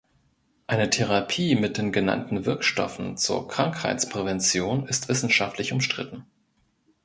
Eine Therapie mit den genannten Wirkstoffen zur Krankheitsprävention ist wissenschaftlich umstritten.